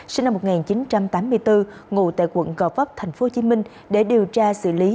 sinh năm một nghìn chín trăm tám mươi bốn ngủ tại quận gò vấp tp hcm để điều tra xử lý